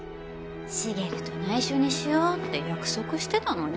重流と内緒にしよって約束してたのに。